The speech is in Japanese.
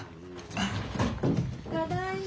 ただいま。